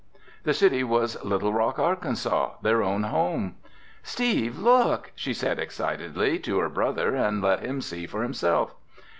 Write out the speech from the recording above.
The city was Little Rock, Arkansas, their own home! "Steve, look!" she said excitedly to her brother and let him see for himself.